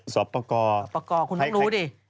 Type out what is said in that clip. สอบปกรคุณต้องรู้ดิ